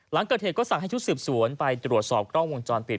หลังเกิดเหตุก็สั่งให้ชุดสืบสวนไปตรวจสอบกล้องวงจรปิด